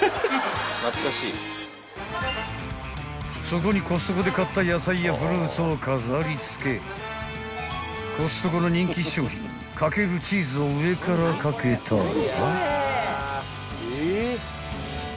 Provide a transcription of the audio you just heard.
［そこにコストコで買った野菜やフルーツを飾りつけコストコの人気商品かけるチーズを上から掛けたら］